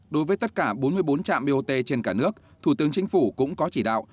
đối với tất cả bốn mươi bốn trạm bot trên cả nước thủ tướng chính phủ cũng có chỉ đạo